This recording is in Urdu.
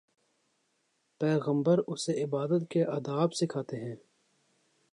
پیغمبر اسے عبادت کے آداب سکھاتے ہیں۔